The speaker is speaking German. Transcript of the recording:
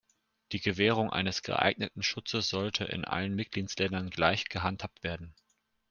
Die Gewährung eines geeigneten Schutzes sollte in allen Mitgliedsländern gleich gehandhabt werden.